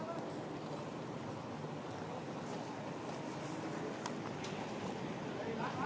สวัสดีครับ